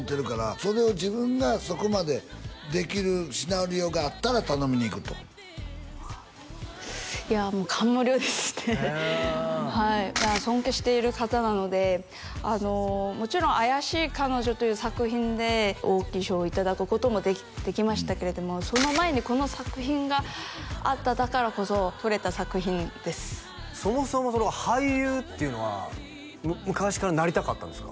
「それを自分がそこまでできるシナリオがあったら頼みに行く」といやもう感無量ですねはい尊敬している方なのでもちろん「怪しい彼女」という作品で大きい賞をいただくこともできましたけれどもその前にこの作品があったからこそ取れた作品ですそもそも俳優っていうのは昔からなりたかったんですか？